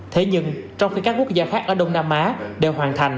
thế nhưng trong khi các quốc gia khác ở đông nam á đều hoàn thành